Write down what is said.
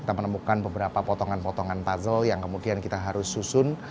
kita menemukan beberapa potongan potongan puzzle yang kemudian kita harus susun